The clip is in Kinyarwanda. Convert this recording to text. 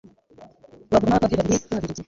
wavugamo abapadiri babiri b'ababiligi